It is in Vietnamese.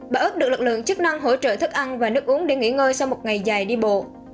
bà úc được lực lượng chức năng hỗ trợ thức ăn và nước uống để nghỉ ngơi sau một ngày dài đi bộ